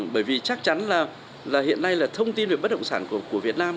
bởi vì chắc chắn là hiện nay là thông tin về bất động sản của việt nam